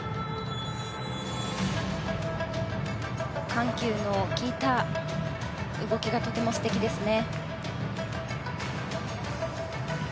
緩急の効いた動きがとても素敵ですね。